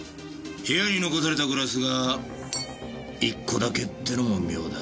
部屋に残されたグラスが１個だけってのも妙だ。